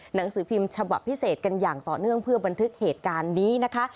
หนังสือพิมพ์ฉบับพิเศษกันอย่างต่อเนื่องเพื่อบันทึกเหตุการณ์นี้นะคะ